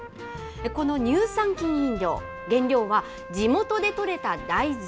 この乳酸菌飲料、原料は地元で取れた大豆。